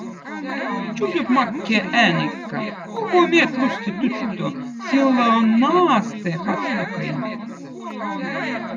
Tsüzüb makkea ääneka:„ Kuhõ meed, lusti tüttö? Sillõ on naasti hatukkõin.“